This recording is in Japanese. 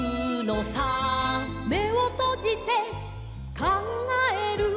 「めをとじてかんがえる」